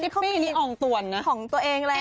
เขามีอ่องต่วนนะของตัวเองแล้ว